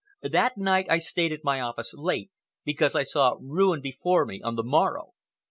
"That night I stayed at my office late because I saw ruin before me on the morrow.